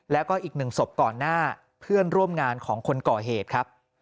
แล้วก็อีกหนึ่งศพก่อนหน้าเพื่อนร่วมงานของคนก่อเหตุครับ